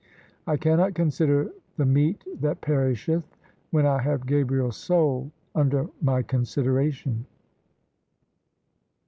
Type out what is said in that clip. I cannot consider the meat that perisheth when I have Gabriel's soul under my consideration."